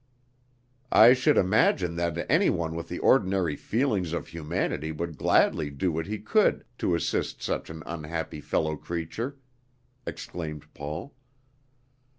"I should imagine that any one with the ordinary feelings of humanity would gladly do what he could to assist such an unhappy fellow creature!" exclaimed Paul.